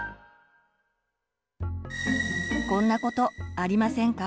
こんなことありませんか？